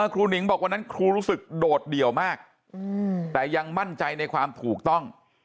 หนิงบอกวันนั้นครูรู้สึกโดดเดี่ยวมากแต่ยังมั่นใจในความถูกต้อง